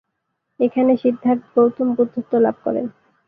এখানে সিদ্ধার্থ গৌতম বুদ্ধত্ব লাভ করেন।